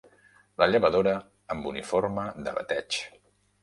La llevadora, amb uniforme de bateig